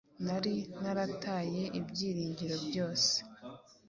Nari narataye ibyiringiro byose